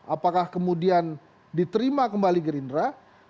apakah kemudian diterima kembali gerindra